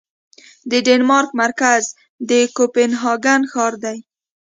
د ډنمارک مرکز د کوپنهاګن ښار دی